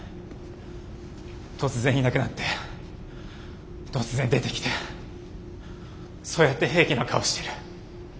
突然いなくなって突然出てきてそうやって平気な顔してる。